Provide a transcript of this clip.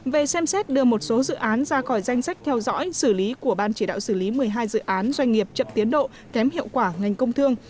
về xem xét đưa một số dự án ra khỏi danh sách theo dõi xử lý của ban chỉ đạo xử lý một mươi hai dự án doanh nghiệp chậm tiến độ kém hiệu quả ngành công thương